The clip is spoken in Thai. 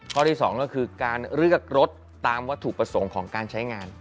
ข้อที่๒ก็คือการเลือกรถตามวัตถุประสงค์ของการใช้งาน